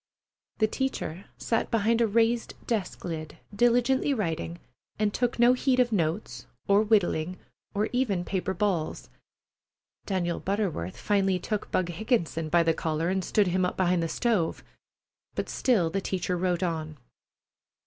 The teacher sat behind a raised desk lid, diligently writing, and took no heed of notes, or whittling, or even paper balls. Daniel Butterworth finally took Bug Higginson by the collar and stood him up behind the stove, but still the teacher wrote on.